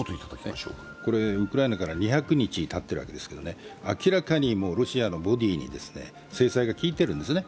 ウクライナから２００日たっているわけですからね、明らかにロシアのボディーに制裁が効いてるんですね。